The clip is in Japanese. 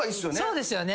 そうですよね。